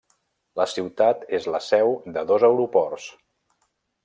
La ciutat és la seu de dos aeroports.